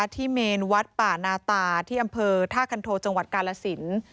เมนวัดป่านาตาที่อำเภอท่าคันโทจังหวัดกาลสิน